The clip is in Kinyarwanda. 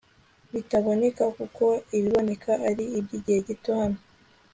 bitaboneka kuko ibiboneka ari iby igihe gito naho